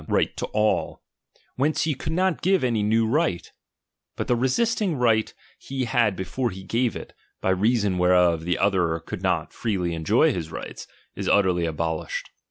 right to all; whence he could Dot give any new right; bnt the reststicg right he had before he gave it, by reason whereof the other could not freely en joy his rights, is utterly abolished.